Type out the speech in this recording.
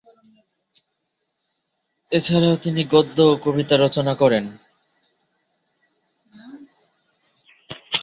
এছাড়াও তিনি গদ্য এবং কবিতা রচনা করেন।